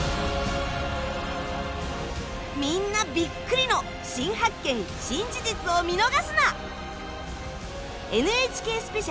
みんなビックリの新発見・新事実を見逃すな！